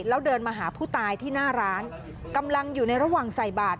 แล้วเดินมาหาผู้ตายที่หน้าร้านกำลังอยู่ในระหว่างใส่บาท